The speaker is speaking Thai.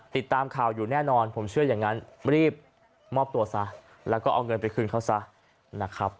ติดตามข่าวอยู่แน่นอนผมเชื่ออย่างนั้นรีบมอบตัวซะแล้วก็เอาเงินไปคืนเขาซะนะครับ